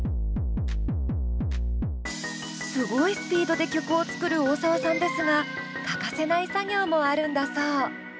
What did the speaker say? すごいスピードで曲を作る大沢さんですが欠かせない作業もあるんだそう。